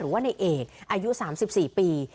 ว่าในเอกอายุ๓๔ปี